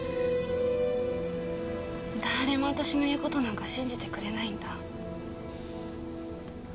誰も私の言う事なんか信じてくれないんだ。